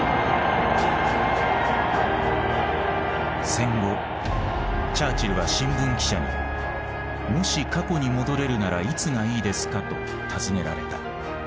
戦後チャーチルは新聞記者に「もし過去に戻れるならいつがいいですか」と尋ねられた。